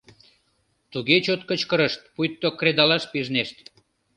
Туге чот кычкырышт, пуйто кредалаш пижнешт.